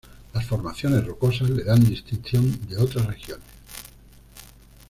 Las formaciones rocosas le dan distinción de otras regiones.